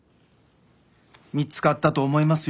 見つかったと思いますよ。